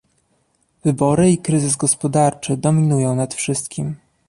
wybory i kryzys gospodarczy dominują nad wszystkim